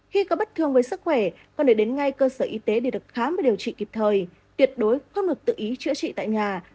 khi có bất thường với sức khỏe còn để đến ngay cơ sở y tế để được khám và điều trị kịp thời tuyệt đối không được tự ý chữa trị tại nhà hay nghe theo những bài thuốc dân gian chuyển miệng